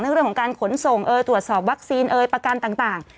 เรื่องของการขนส่งเอ่ยตรวจสอบวัคซีนเอ่ยประกันต่าง